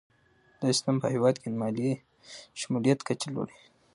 دا سیستم په هیواد کې د مالي شمولیت کچه لوړوي.